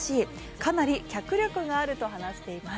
かなり脚力があると話しています。